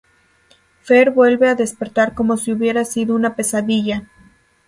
Fer vuelve a despertar como si hubiera sido una pesadilla.